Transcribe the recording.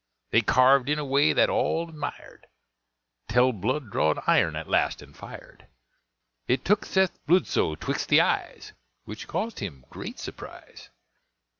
They carved in a way that all admired, Tell Blood drawed iron at last, and fired. It took Seth Bludso 'twixt the eyes, Which caused him great surprise.